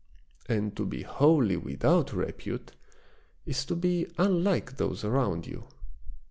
And to be wholly without repute is to be unlike those around you.